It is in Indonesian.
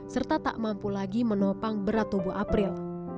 serta tak mampu lagi menopang berat tubuh april